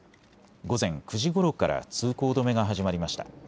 午前９時ごろから通行止めが始まりました。